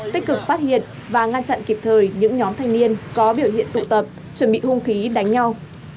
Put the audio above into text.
tích cực phát hiện và ngăn chặn kịp thời những nhóm thanh niên có biểu hiện tụ tập chuẩn bị hung khí đánh nhau